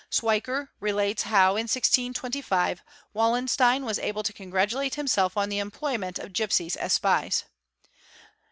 Schwicher relates how in 1625 Wallenstein was able to congratulate him: self on the employment of gipsies as spies.